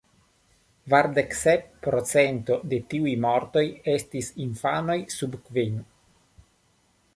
Kvardek sep procento de tiuj mortoj estis infanoj sub kvin.